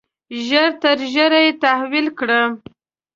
ژر تر ژره یې تحویل کړه.